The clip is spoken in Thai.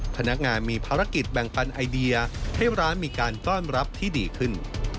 พนักงานมีภารกิจแบ่งปันไอเดียให้ร้านมีการต้อนรับที่ดีขึ้น